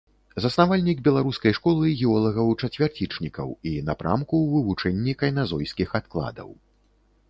Заснавальнік беларускай школы геолагаў-чацвярцічнікаў і напрамку ў вывучэнні кайназойскіх адкладаў.